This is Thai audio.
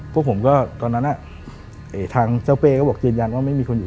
พวกผมก็ตอนนั้นทางเจ้าเป้ก็บอกยืนยันว่าไม่มีคนอยู่